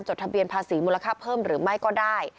ทะเบียนภาษีมูลค่าเพิ่มหรือไม่ก็ได้